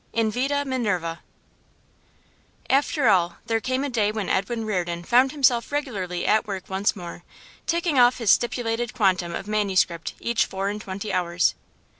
INVITA MINERVA After all, there came a day when Edwin Reardon found himself regularly at work once more, ticking off his stipulated quantum of manuscript each four and twenty hours.